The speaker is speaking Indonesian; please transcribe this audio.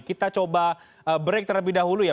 kita coba break terlebih dahulu ya